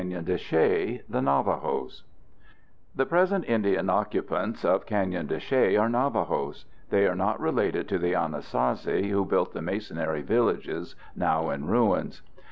] THE NAVAJOS The present Indian occupants of Canyon de Chelly are Navajos. They are not related to the Anasazi who built the masonry villages now in ruins.